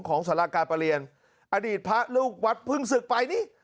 สาราการประเรียนอดีตพระลูกวัดเพิ่งศึกไปนี่